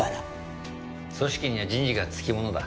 組織には人事がつきものだ。